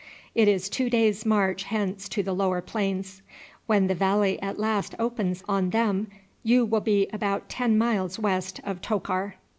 It is two days' march hence to the lower plains. When the valley at last opens on them you will be about ten miles west of Tokar."